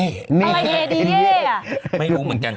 อะไรเฮดีเย่ไม่รู้เหมือนกัน